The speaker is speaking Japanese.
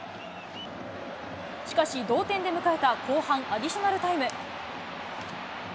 しかし、同点で迎えた後半アディショナルタイム。